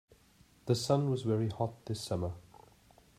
The sun was very hot this summer.